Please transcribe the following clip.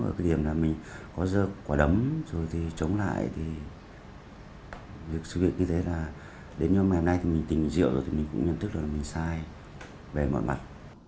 ở cái điểm là mình có dơ quá đấm rồi thì chống lại thì việc sự việc như thế là đến ngày hôm nay thì mình tìm rượu rồi thì mình cũng nhận thức được là mình sai bè mỏi mặt